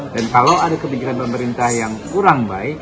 dan kalau ada kebijakan pemerintah yang kurang baik